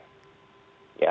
oleh sebab itulah